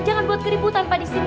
jangan buat keributan pak di sini